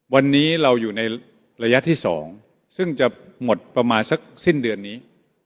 วันนี้เราอยู่ในระยะที่๒ซึ่งจะหมดประมาณสักสิ้นเดือนนี้